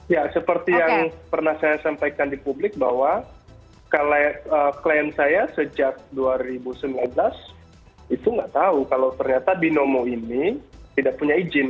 ya seperti yang pernah saya sampaikan di publik bahwa klien saya sejak dua ribu sembilan belas itu nggak tahu kalau ternyata binomo ini tidak punya izin